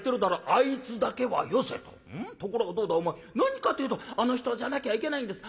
ところがどうだお前何かってえと『あの人じゃなきゃいけないんです。